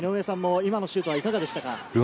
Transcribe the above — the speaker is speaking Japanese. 今のシュート、いかがでしたか？